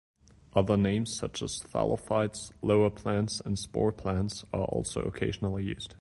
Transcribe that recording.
Other names, such as "thallophytes", "lower plants", and "spore plants" are also occasionally used.